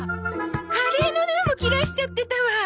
カレーのルーも切らしちゃってたわ。